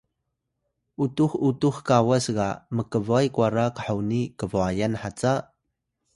utux utux kawas ga mkbway kwara khoni kbwayan haca?